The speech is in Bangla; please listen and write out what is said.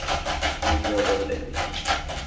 দেখো কীভাবে অভিনয় করছে।